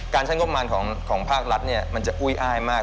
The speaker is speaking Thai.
ใช้งบประมาณของภาครัฐมันจะอุ้ยอ้ายมาก